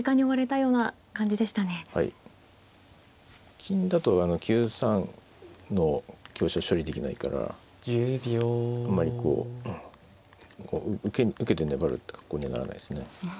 金だと９三の香車処理できないからあんまりこう受けて粘るって格好にはならないですね。